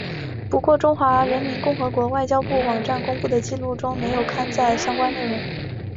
不过中华人民共和国外交部网站公布的记录中没有刊载相关内容。